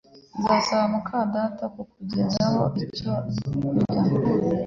Nzasaba muka data kukugezaho icyo kurya